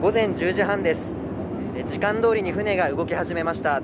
時間通りに船が動き始めました。